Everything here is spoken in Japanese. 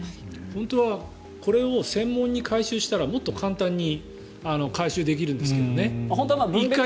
本当はこれを専門に回収したらもっと簡単に回収できるんですけどね。